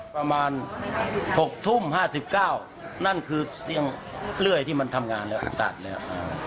ประมาณ๖ทุ่ม๕๙นั่นคือเสียงเลื่อยที่มันทำงานแล้วอากาศแล้ว